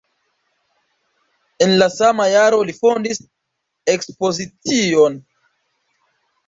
En la sama jaro li fondis ekspozicion.